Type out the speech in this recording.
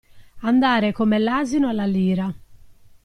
Andare come l'asino alla lira.